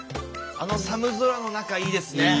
あの寒空の中いいですね。